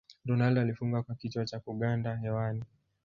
ronaldo alifunga kwa kichwa cha kuganda hewani